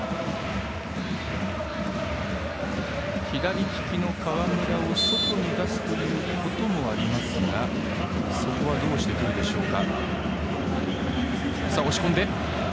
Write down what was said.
左利きの川村を外に出すということもありますがそこはどうしてくるでしょうか。